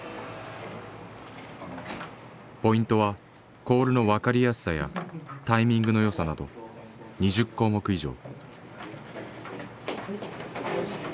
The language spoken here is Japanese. ポイントは「コールの分かりやすさ」や「タイミングの良さ」など２０項目以上。